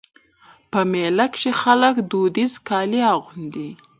په مېله کښي خلک دودیز کالي اغوندي.